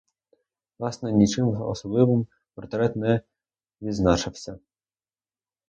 Власне, нічим особливим портрет не відзначався.